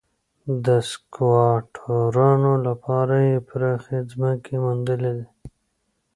د سکواټورانو لپاره یې پراخې ځمکې وموندلې.